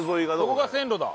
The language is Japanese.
ここが線路だ。